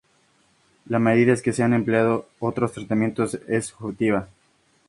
La medida en que se han empleado otros tratamientos es subjetiva.